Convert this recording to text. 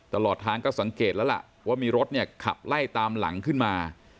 ตลอดทางก็สังเกตแล้วล่ะว่ามีรถเนี่ยขับไล่ตามหลังขึ้นมา